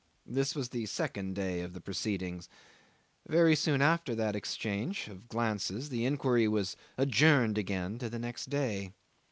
This was the second day of the proceedings. Very soon after that exchange of glances the inquiry was adjourned again to the next day.